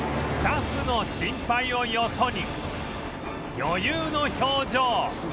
スタッフの心配をよそに余裕の表情